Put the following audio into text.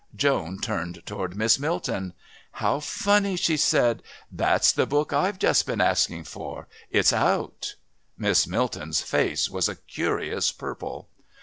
Joan turned towards Miss Milton. "How funny!" she said. "That's the book I've just been asking for. It's out." Miss Milton's face was a curious purple.